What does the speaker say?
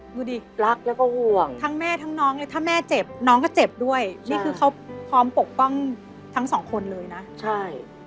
ดูดิรักแล้วก็ห่วงทั้งแม่ทั้งน้องเลยถ้าแม่เจ็บน้องก็เจ็บด้วยนี่คือเขาพร้อมปกป้องทั้งสองคนเลยนะใช่